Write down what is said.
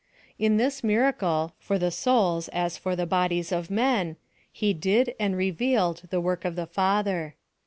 In this miracle, for the souls as for the bodies of men, he did and revealed the work of the Father.